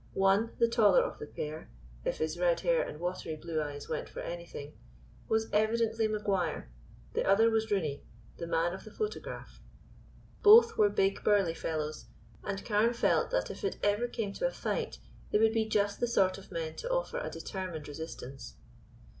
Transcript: One, the taller of the pair, if his red hair and watery blue eyes went for anything, was evidently Maguire, the other was Rooney, the man of the photograph. Both were big, burly fellows, and Carne felt that if it ever came to a fight, they would be just the sort of men to offer a determined resistance.